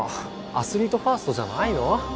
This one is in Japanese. アスリートファーストじゃないの？